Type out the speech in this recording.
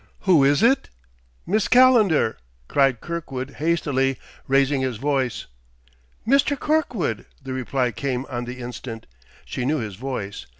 "Who is it?" "Miss Calendar!" cried Kirkwood hastily, raising his voice. "Mr. Kirkwood!" the reply came on the instant. She knew his voice!